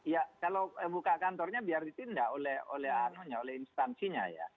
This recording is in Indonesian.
ya kalau buka kantornya biar ditindak oleh instansinya ya